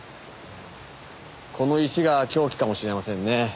この石が凶器かもしれませんね。